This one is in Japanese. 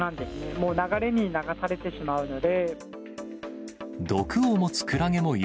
もう流れに流されてしまうので。